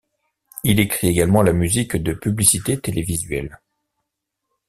Il écrit également la musique de publicités télévisuelles.